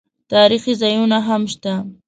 تاریخي ځایونه هم شته.